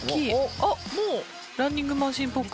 あっもうランニングマシーンっぽく。